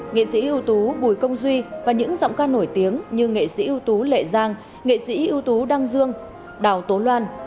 nghệ sĩ ưu tú bùi công duy và những giọng ca nổi tiếng như nghệ sĩ ưu tú lệ giang nghệ sĩ ưu tú đăng dương đào tố loan